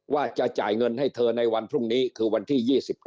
ว่าจะจ่ายเงินให้เธอในวันพรุ่งนี้คือวันที่๒๙